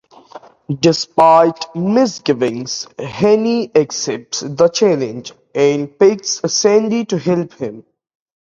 Despite misgivings, Hannay accepts the challenge, and picks Sandy to help him.